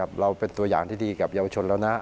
คำว่าวีลบรูท